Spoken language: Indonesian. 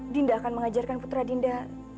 dinda akan mengajarkan putra dinda